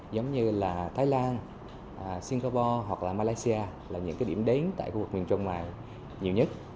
giống như là thái lan singapore hoặc là malaysia là những cái điểm đến tại khu vực miền trung ngoài nhiều nhất